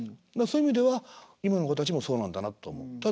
そういう意味では今の子たちもそうなんだなって思う。